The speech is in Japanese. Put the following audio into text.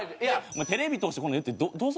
テレビ通してこんなん言うてどうする？